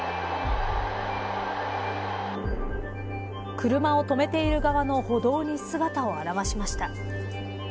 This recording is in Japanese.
車を止めている側の歩道に姿を現しました。